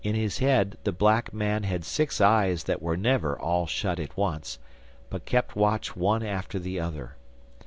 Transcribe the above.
In his head the black man had six eyes that were never all shut at once, but kept watch one after the other.